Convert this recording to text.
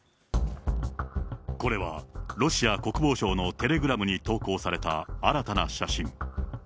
これはロシア国防省のテレグラムに投稿された新たな写真。